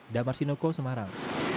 damar sinoko semarang